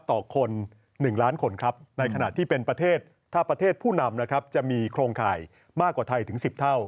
ต่อคน๑ล้านคนครับในขณะที่เป็นประเทศถ้าประเทศผู้นำนะครับจะมีโครงข่ายมากกว่าไทยถึง๑๐เท่า